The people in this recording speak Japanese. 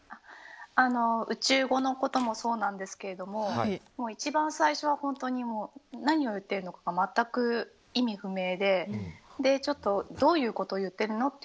宇宙語のこともそうなんですが一番最初は本当に何を言ってるのかが全く意味不明でちょっとどういうことを言っているの？